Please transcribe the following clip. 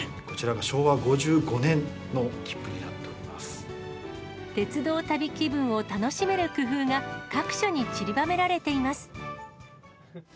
こちらが昭和５５年の切符になっ鉄道旅気分を楽しめる工夫が、各所にちりばめられています。